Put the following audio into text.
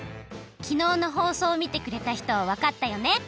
きのうのほうそうをみてくれたひとはわかったよね。